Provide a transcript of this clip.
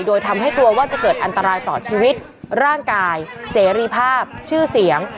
โดยทำให้กลัวว่าจะเกิดอันตรายต่อชีวิตร่างกายเสรีภาพชื่อเสียง